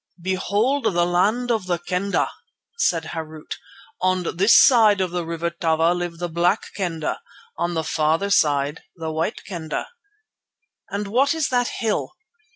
"Behold the land of the Kendah," said Harût. "On this side of the River Tava live the Black Kendah, on the farther side, the White Kendah." "And what is that hill?"